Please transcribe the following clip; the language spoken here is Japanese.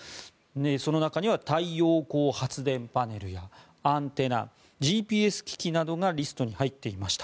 その中には太陽光発電パネルやアンテナ、ＧＰＳ機器などがリストに入っていました。